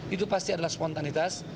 itu pasti adalah spontanitas